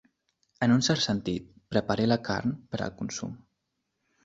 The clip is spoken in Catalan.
En un cert sentit, prepari la carn per al consum.